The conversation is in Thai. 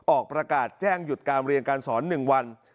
ออกประกาศแจ้งหยุดการเรียนการสอน๑วัน